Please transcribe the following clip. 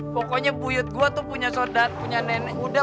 pokoknya buyut gua tuh punya saudara punya nenek